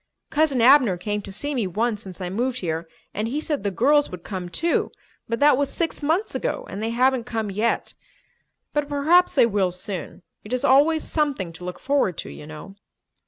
Cousin Abner came to see me once since I moved here and he said the girls would come, too, but that was six months ago and they haven't come yet. But perhaps they will soon. It is always something to look forward to, you know."